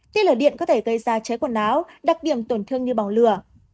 tiên lửa điện có thể gây ra cháy quần áo đặc điểm tổn thương như bỏng lửa